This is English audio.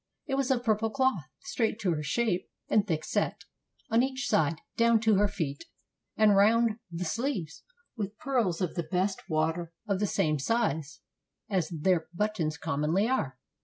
It was of purple cloth, straight to her shape, and thick set, on each side, down to her feet, and round the sleeves, with pearls of the best water, of the same size as their buttons commonly are.